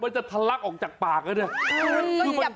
มันจะทะลักออกจากปากน่ะเนี่ย